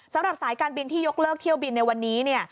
สำหรับสายการบินที่ยกเลิกเที่ยวบินในวันนี้